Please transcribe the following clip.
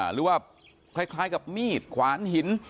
หรือว่าคล้ายกับมีดขวานหิน